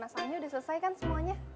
masalahnya udah selesai kan semuanya